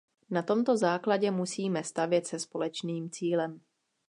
Na tomto základě musíme stavět se společným cílem.